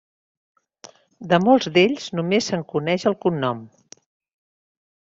De molts d'ells només se'n coneix el cognom.